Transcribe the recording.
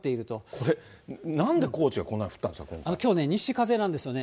これ、なんで高知はこんなに降ったんですか、きょうね、西風なんですよね。